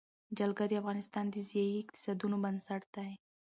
جلګه د افغانستان د ځایي اقتصادونو بنسټ دی.